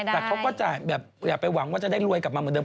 แต่เขาก็จะแบบอย่าไปหวังว่าจะได้รวยกลับมาเหมือนเดิ